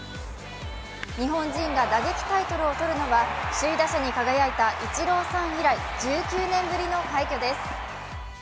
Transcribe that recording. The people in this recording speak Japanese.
日本人が打撃タイトルを取るのは首位打者に輝いたイチローさん以来１９年ぶりの快挙です。